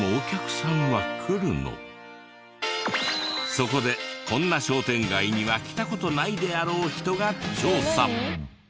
そこでこんな商店街には来た事ないであろう人が調査。